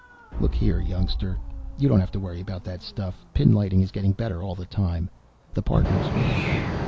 "Look here, youngster. You don't have to worry about that stuff. Pinlighting is getting better all the time. The Partners are getting better.